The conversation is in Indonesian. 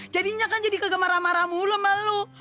jadinya kan jadi kegemaran marah mulu ma lo